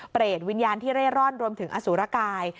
วิญญาณที่เร่ร่อนรวมถึงอสุรกาย